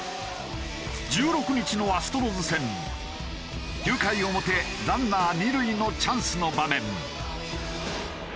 １６日のアストロズ戦９回表ランナー２塁のチャンスの場面。